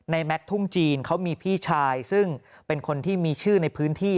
แม็กซทุ่งจีนเขามีพี่ชายซึ่งเป็นคนที่มีชื่อในพื้นที่